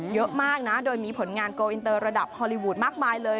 เยอะมากนะโดยมีผลงานโกลอินเตอร์ระดับฮอลลีวูดมากมายเลย